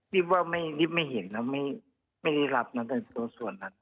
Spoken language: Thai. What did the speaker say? ดิ๊บว่าดิ๊บไม่เห็นนะไม่ได้รับนะตัวส่วนนั้น